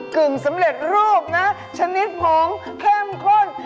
กึ่งสำเร็จรูปนะชนิดผงเข้มข้น